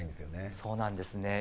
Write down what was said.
そうなんですね。